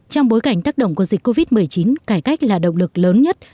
trong bối cảnh tác động của dịch covid một mươi chín cải cách là động lực lớn nhất